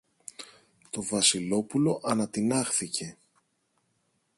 Το Βασιλόπουλο ανατινάχθηκε.